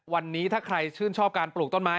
วันนี้ถ้าใครชื่นชอบการปลูกต้นไม้